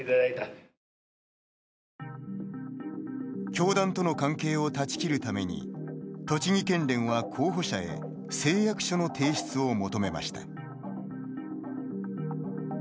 教団との関係を断ち切るために栃木県連は候補者へ誓約書の提出を求めました。